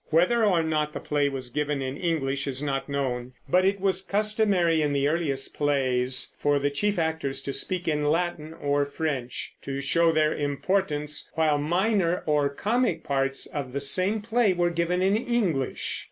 Whether or not the play was given in English is not known, but it was customary in the earliest plays for the chief actors to speak in Latin or French, to show their importance, while minor and comic parts of the same play were given in English.